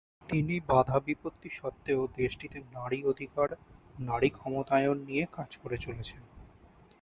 তিনি বাধা বিপত্তি সত্ত্বেও দেশটিতে নারী অধিকার, নারী ক্ষমতায়ন নিয়ে কাজ করে চলেছেন।